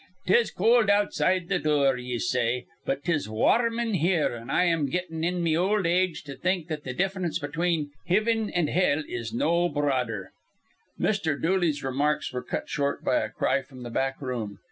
'Tis cowld outside th' dure, ye say, but 'tis war rum in here; an' I'm gettin' in me ol' age to think that the diff'rence between hivin an' hell is no broader" Mr. Dooley's remarks were cut short by a cry from the back room.